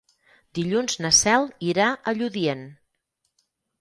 Dilluns na Cel irà a Lludient.